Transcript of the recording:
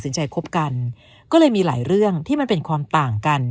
ใจคบกันก็เลยมีหลายเรื่องที่มันเป็นความต่างกัน